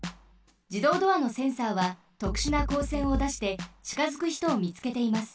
じどうドアのセンサーはとくしゅなこうせんをだしてちかづくひとをみつけています。